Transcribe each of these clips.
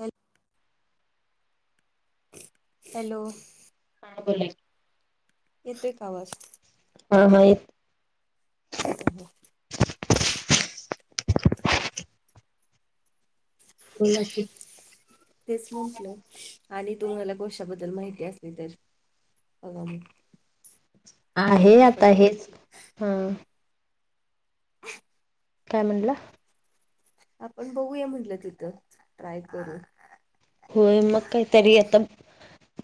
एक. हॅलो. हा बोला की. येतोय का आवाज? हा हा येतो ह ह. होय बाकी तेच म्हटलं, आणि तुम्हाला कोषाबद्दल माहिती असली तर. [unintelligible] आहे, आता आपण हेच हा. काय म्हणला? आपण बघूया म्हटलं तिथं, ट्राय करू. होय, मग काहीतरी आता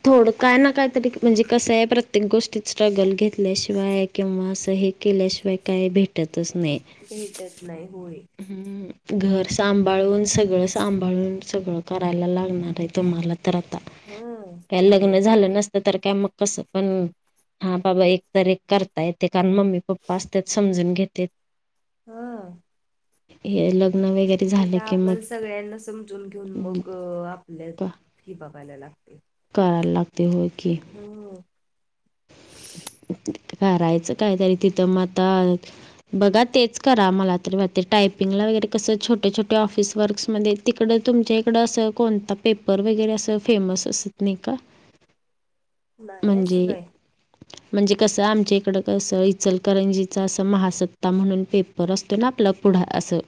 थोडं काय ना काय तरी, म्हणजे कसंय प्रत्येक गोष्टीत स्ट्रगल घेतल्याशिवाय किंवा असं हे केल्याशिवाय काय भेटतच नाही. भेटत नाही होय. हम्म. घर सांभाळून सगळं सांभाळून सगळं करायला लागणार आहे तुम्हाला तर आता. हं काय होय लग्न झालं नसतं तर काय मग कसं पण हा बाबा एक तर एक करता येते. कारण मम्मी पप्पा असते समजून घेतेत. हं हे लग्न वगैरे इथ झालं की आपण मग सगळ्यांना समजून घेऊन मग आपल्यात ही बघायला लागते. करायला लागते होय की. हम्म. करायचं काहीतरी. तिथं म आता बघा तेच करा मला तरी वाटते. टायपिंगला वगैरे कसं छोटे छोटे ऑफिस वर्क्समध्ये तिकडं तुमच्या इकडं असं कोणता पेपर वगैरे असं फेमस असत नाही का? नाही म्हणजे असं काय म्हणजे कसं आमच्या इकडं कसं, इचलकरंजीच असं महासत्ता म्हणून पेप पर असतोय ना आपलं पुढ असं,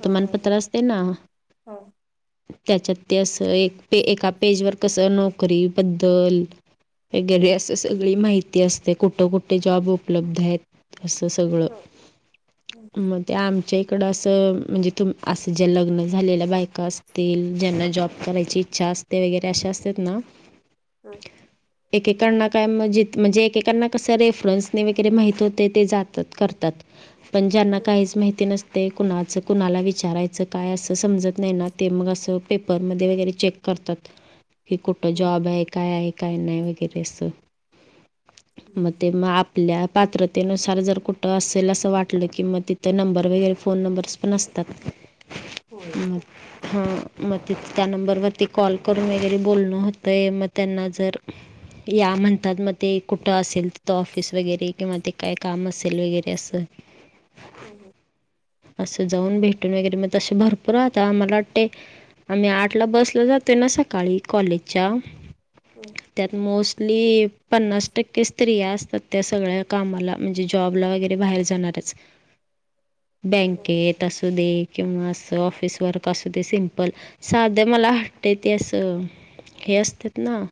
हा हा असते ना. हा त्याच्यात ते असं एक एका पेजवर कसं नोकरी बद्दल हा वगैरे असं सगळी माहिती असते, कुठं कुठे जॉब उपलब्ध आहेत. असं सगळं. हा मग ते आमच्या इकडं असं म्हणजे तुम असं ज्या लग्न झालेल्या बायका असतील, ज्यांना जॉब करायची इच्छा अस ते वगैरे अश्या असतात ना. ह. एकेकांना काय म जे म्हणजे एकेकांना कसं रेफरन्सने वगैरे माहीत होते ते जातात करतात. पण ज्यांना काहीच माहिती नसते, कुणाचं कुणाला विचारायचं काय असं समजत नाही ना ते मग अस पेपर मध्ये वगैरे असं चेक करतात. की कुठ जॉब हाय काय काय नाही वगैरे अस. मग ते मग आप आपल्या पात्रतेनुसार जर कुठं असेल असं वाटलं की मग तिथं नंबर वगैरे फोन नंबर नसतात होय मग. हा मग त्या नंबरवरती कॉल करून वगैरे बोलण होतय. मग त्यांना जर [inaudible] या म्हणतात मग ते कुठं असेल त ऑफिस वगैरे किंवा ते काय काम असेल वगैरे असं हो ह. असं जाऊन भेटून वगैरे मग ते भरपूर राहता आमला वाटते. आम्ही आठला बसल जातोय ना सकाळी कॉलेजच्या. हम. त्यात मोस्टली पन्नास टक्के स्त्रिया असतात, त्या सगळ्या कामाला. म्हणजे जॉबला वगैरे बाहेर जाणारच. हं बँकेत असू दे किंवा असं ऑफिस वर्क असू दे, सिंपल. साधं मला वाटतंय ते असं, हे असत्यात ना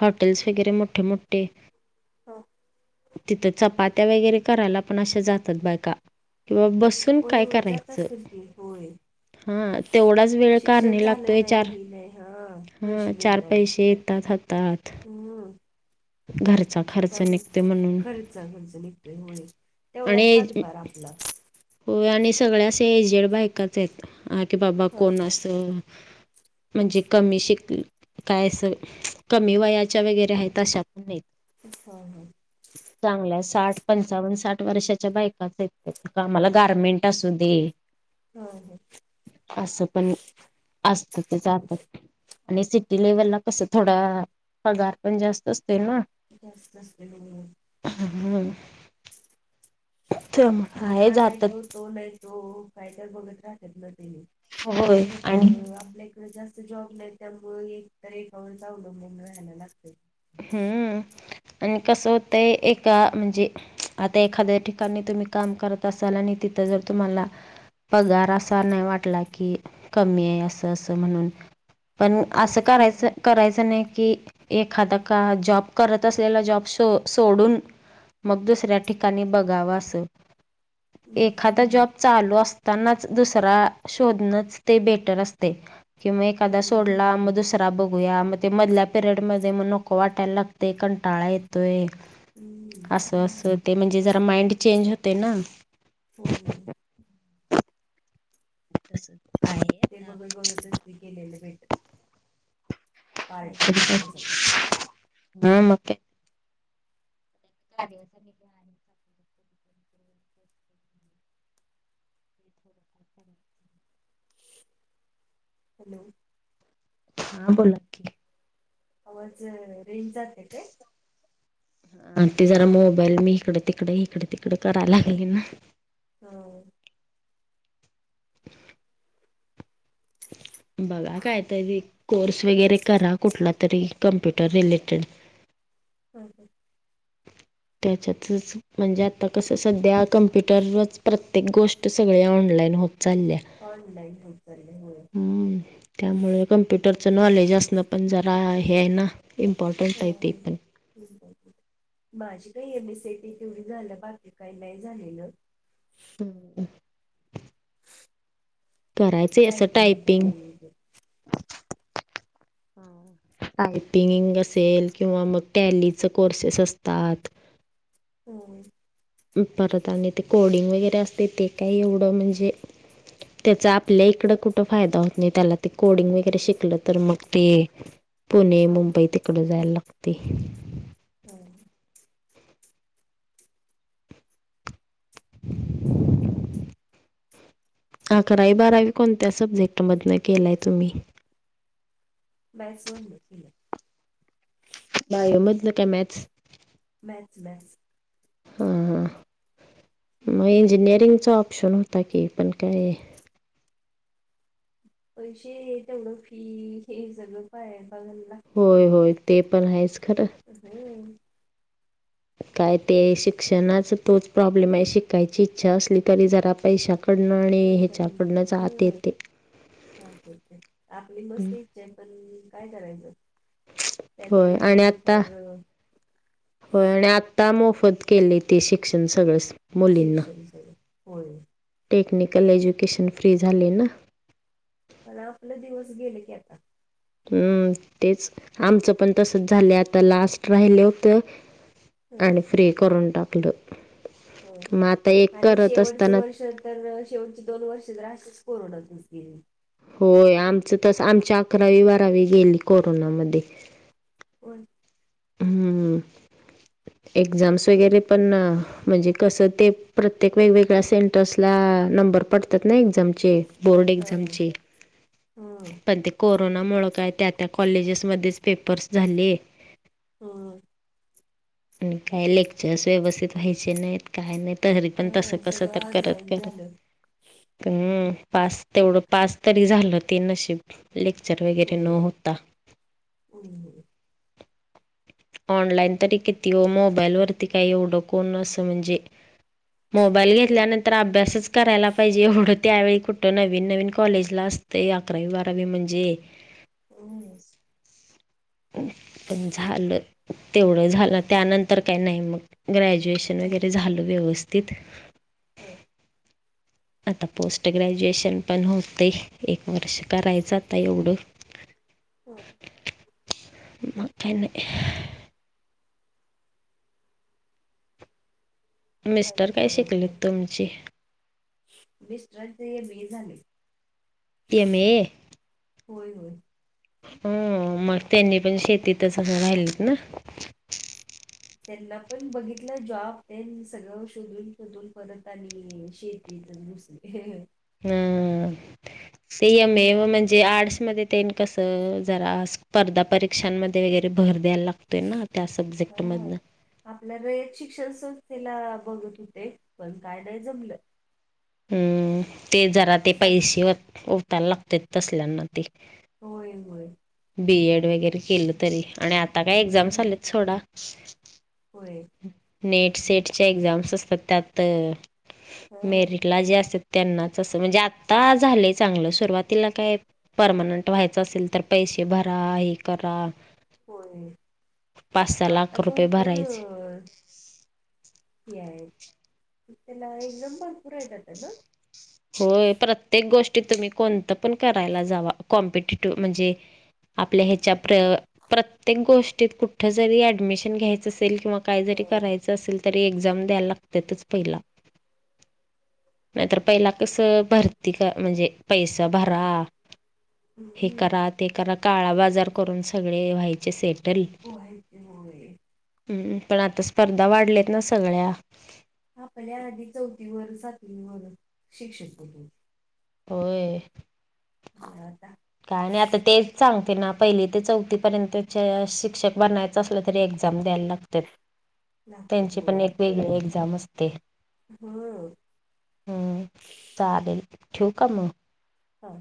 हॉटेल्स वगैरे मोठे मोठे हो. तिथ चपात्या वगैरे करायला पण अ जातात बायका किंवा बस अजून होय काय होय जात करायचं. असेल की होय हा तेवढाच वेळ शिक्षण कारणे झालं लागतोय नाही चार हे नाही हा हा पैसे चार मिळतात पैसे हात हातात हम्म. घरचा खा त्यामुळे खर्च खर्च निघतोय आणि तेवढाच एज हातभार आपला. होय आणि सगळ्या असे एजेड बायकच आहेत हा कि बाबा हा कोण हा असत. म्हणजे कमी शिक काय अस कमी वयाच्या वगैरे आहेत तशाततण नाही. हा हा. चांगल्या साठ पंचावन्न साठ वर्षाच्या बायकाच आहेत. आम्हाला गारमेंट असू दे. हा ह. असं पण असत ते जातात. आणि सिटी लेव्हलला कस थोडा पगार पण जास्त असत ना. जास्त असते हो हो. हम ह. आणि आहे हा नाही जातात तो, तो नाही तो, काय तर बघत राहत ना ते. होय आपल्या सारख आणि आपलं. जास्त जॉब नाही त्यामुळ एक तर एका आ जावलं म्हून वयला लागत. हम्म आणि कसं होतंय एका म्हणजे. आता एखाद्या ठिकाणी तुम्ही काम करत असाल आणि तिथं जर तुम्हाला. पगार असा नाही वाटला की कमी आहे असं असं म्हणून. पण हा असं करायचं करायचं नाही की एखादा. का जॉब करत असलेला जॉब सोडून. मग दुसऱ्या ठिकाणी बघाव अस हम्म एखादा जॉब. चालू असतानाच दुसरा शोधणच ते बेटर असते. किंवा एखादा होय होय सोडला मग दुसरा बघूया मग ते मधल्या पिरियड मध्ये मग नको. कवाट्याला लागते कंटाळ येतोय. हम्म असं असं ते म्हणजे जरा माइंड चेंज होते ना. होय. तं आहे. ते बघ आता बघत स्त केलेले भेट. हा मग चा. [inaudible] हॅलो. हा बोल. आवाज रेंज जात्या काय. अ ते जरा मोबाईल मी इकडे, तिकडे, इकडे, तिकडे करायला लागली ना. हो. बघा काय तरी. कोर्स वगैरे करा कुठला तरी. Computer related. होय. त्याच्यातच म्हणजे आता कसं सध्या कम्प्युटरवरच प्रत्येक गोष्ट सगळे ऑनलाईन होत चाल्या. ऑनलाईन होत चाले होय. हम्म त्यामुळे कम्प्युटरचं नॉलेज असणं पण जरा, हे आहे ना. इंपॉर्टन्ट हाय तेे पण. [unintelligible] माझी काही M S C I T तेवढी झाल्या, बाकी काही नाही झालेलं. [unintelligible] करायचे असं टायपिंग [unintelligible] टायपिंग असेल किंवा मग टॅलीच कोर्सेस असतात. हम्म. परत आणि ते कोडिंग वगैरे असतय, ते काय एवढं म्हणजे त्याचा आपल्या इकड कुठं फायदा होत नाही, त्याला ते कोडिंग वगैरे शिकलं तर मग ते [inaudible] पुणे, मुंबई तिकडं जायला लागतय. हम्म. अकरावी बारावी कोणत्या सब्जेक्ट मधन केलाय तुम्ही? मॅथ्स् मध्न केल्या. बायोमधन काय मॅथ्स? Maths maths. हा हा मग इंजिनिअरिंगचा ऑप्शन होता की, पण काय पैसे तेवढं फी हे सगळं काय, बघायला होय होय ते पण आहेच खरं. हम्म. काय ते शिक्षणाच तोच प्रॉब्लेमाय, शिकायची इच्छा असली तरी जरा पैशा कडणं आणि ह्याच्या कडनंच आत येतय. हा तेच की. आपली हं. मस्त इच्छाय पण काय करायचं. त्या त्या होय आणि आता, वेळेनुसार होय आणि आ आता मोफत केलय ते शिक्षण सगळंच. मुलींना शिक्षण [unintelligible] होय टेक्निकल एज्युकेशन फ्री झालय ना? पण आपलं दिवस गेले की आता. हम्म, तेच आमचं पण तसच झालं आता लास्ट राहिलत त्यानं फ्री करून टाकलं. हो, मग आता एक आणि करत शेवटचं असताना वर्ष तर शेवटची दोन वर्ष जर असच कोरोनातूनच गेल. होय आमचं तस आमच्या अकरावी बारावी गेली कोरोनामध्ये. हो, हम्म, [inaudible] एक्झाम्स वगैरे पण म्हणजे कसं ते प्रत्येक वेगवेगळ्या सेंटर्सला नंबर पड कुठल्या एक्झाम चे, बोर्ड हा एक्झाम चे हम्म [inaudible] पण ते कोर कोरोनामुळं काय त्या त्या कॉलेजेसमध्येच पेपर्स झाले. हम्म. आणि काय लेक्चर्स व्यवस्थित व्हायचे नाहीत. काय नाही तरी पण तसं हा कसं सगळं तर ऑनलाईन करत-करत झालं. ह पास तेवढं पास तरी झालं ते नशीब लेक्चर वगैरे होय. न होता. [unintelligible] ऑनलाईन तरी किती हो मोबाईल वरती काही उओडकूनसं म्हणजे. मोबाईल नाही घेतल्यानंतर तर अभ्यासच करायला पाहिजे एवढं त्यावेळी कुठं नवीन नवीन कॉलेजला असते या. [unintelligible] बारावी म्हणजे. हम्. पण झालं तेवढ झालं त्यानंतर काही नाही मग ग्रॅजुएशन. किचन हो वगैरे झालं व्यवस्थित. हो आता पोस्ट ग्रॅज्युएशन पण होतं एक वर्ष करायचं आता एवढं. हो म का नाही. मिस्टर काय शिकलेत तुमची. मिस्टरांचा एम बी. ए झालंय. M A. होय होय. हम मग त्यांनी पण शेतीतच असं राहिलेत ना. त्यांना पण बघितलं जॉब ते सगळं शोधून परत आणि शेती. [inaudible] [unintelligible] हम हम्म [inaudible] म्हणजे आर्टसमध्येध्ये. कस जरा स्पर्धा परीक्षांमध्ये वगैरे भर द्यायला लागत. तेना त्या सब्जेक्ट मधन. आपल्याला एक शिक्षण संस्थेला बघत होते पण काय नाही जमलं. हम् ते जरा ते सारखं पैसे उतायला लागते तसल्यांना ते. होय होय. बीएड वगैरे केलं तरी आणि आता काय ह एक्झामस आले थोडा. होय. नेट सेटच्या एक्झाम्स असतात त्यात ह मेरिटला जे असतात. त्यांनाच असं म्हणजे आत्ता झालंय चांगलं सुरुवातीला काय. परमानंट व्हायच असेल तर पैसे भरा हे करा. होय पाच सहा आता लाख रुपये भरपूर. भरायचे ये त्याला एक दंब भरपुर जात ना. होय प्रत्येक गोष्टी तुम्ही कोणतं पण करायला जावा कॉम्पिटेटिव्ह म्हणजे. आपल्या ह्याच्या प्र प्रत्येक गोष्टीत कुठ जरी ऍडमिशन घ्यायचं. किंवा काही जरी हो. करायच. अस कसेल तर ऐगझाम द्या लागत प पहिला कसं भरती क म्हणजे पैसा भरा हे हम्म करा. ते करा काळा बाजार करून सगळे व्हायचे सेट. हो आहेती हो. हम्म पण आता स्पर्धा वाढल्यात ना सगळ्या. आपल्या आधी चौथीवर सातवीवर शिक्षक होतो. होय. होता. काय आणि आता तेच सांगते ना पहिली ते चौथी पर्यंतच्या शिक्षक बनय. असल्या तरी एक्झाम द्यायला लागत. [unintelligible] त्यांची पण एक वेगळी एक्झाम असते. हो हो. हम् चालेल ठेवक आहे मग. हा